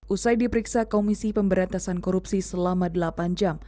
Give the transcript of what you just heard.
usai diperiksa komisi pemberantasan korupsi selama delapan jam